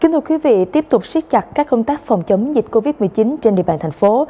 thưa quý vị tiếp tục siết chặt các công tác phòng chống dịch covid một mươi chín trên địa bàn thành phố